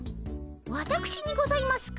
わたくしにございますか？